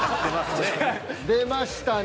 出ましたね。